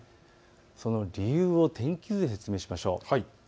その理由を天気図で説明しましょう。